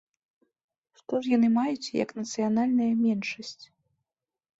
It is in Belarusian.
Што ж яны маюць як нацыянальная меншасць?